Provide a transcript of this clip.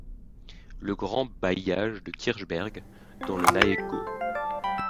Le grand bailliage de Kirchberg dans le Nahegau.